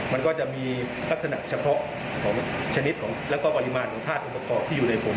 มันก็จะมีลักษณะเฉพาะของชนิดของแล้วก็ปริมาณของธาตุองค์ประกอบที่อยู่ในผม